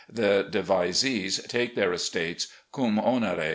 The devisees take their estates cum onere.'